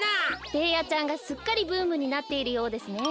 ベーヤちゃんがすっかりブームになっているようですね。